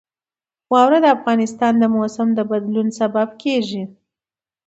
واوره د افغانستان د موسم د بدلون سبب کېږي.